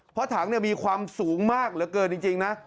เพราะถังมีความสูงมากเหลือเกินจริงนะ